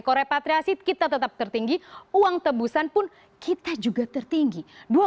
kalau repatriasi kita tetap tertinggi uang tebusan pun kita juga tertinggi